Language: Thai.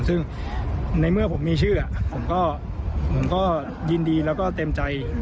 ซึ่งในเมื่อผมมีชื่อผมก็ยินดีแล้วก็เต็มใจ